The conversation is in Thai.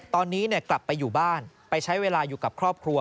ตอนนี้กลับไปอยู่บ้านไปใช้เวลาอยู่กับครอบครัว